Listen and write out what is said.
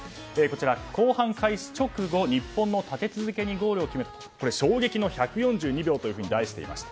後半開始直後日本が立て続けにゴールを決めた衝撃の１４２秒と題していました。